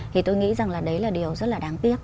thì tôi nghĩ rằng là đấy là điều rất là đáng tiếc